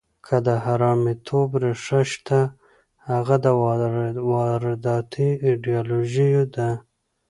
که د حرامیتوب ریښه شته، هغه د وارداتي ایډیالوژیو ده.